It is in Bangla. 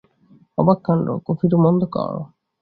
অবাক কাণ্ড, কফিরুম অন্ধকার।